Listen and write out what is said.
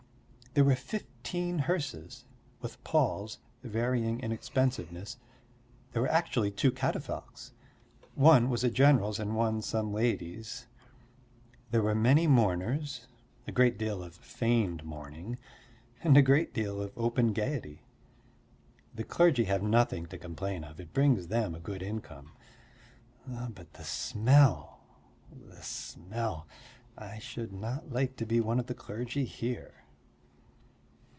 There were fifteen hearses, with palls varying in expensiveness; there were actually two catafalques. One was a general's and one some lady's. There were many mourners, a great deal of feigned mourning and a great deal of open gaiety. The clergy have nothing to complain of; it brings them a good income. But the smell, the smell. I should not like to be one of the clergy here.